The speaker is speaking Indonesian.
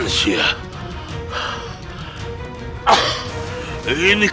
kau tidak bisa menang